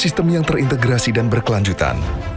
sistem yang terintegrasi dan berkelanjutan